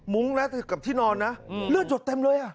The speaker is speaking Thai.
มุ้งและกับที่นอนนะเลือดหยดเต็มเลย